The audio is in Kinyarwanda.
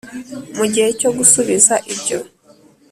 mu gihe cyo gusubiza ibyo